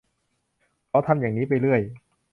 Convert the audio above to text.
เขาทำอย่างนี้ไปเรื่อย